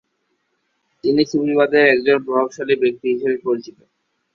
তিনি সুফিবাদের একজন প্রভাবশালী ব্যক্তি হিসাবে পরিচিত।